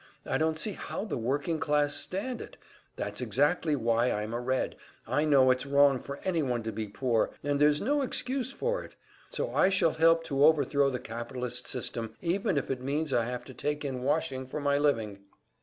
I don't see how the working class stand it that's exactly why I'm a Red, I know it's wrong for anyone to be poor, and there's no excuse for it. So I shall help to overthrow the capitalist system, even if it means I have to take in washing for my living!"